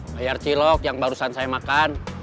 bayar cilok yang barusan saya makan